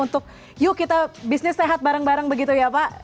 untuk yuk kita bisnis sehat bareng bareng begitu ya pak